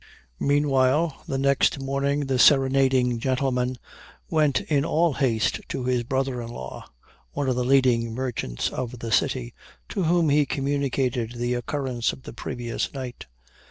Meanwhile, the next morning the serenading gentleman went in all haste to his brother in law, one of the leading merchants of the city, to whom he communicated the occurrence of the previous night.